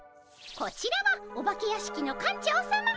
こちらはお化け屋敷の館長さま。